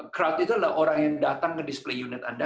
crowd itu adalah orang yang datang ke display unit anda